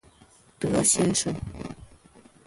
德先生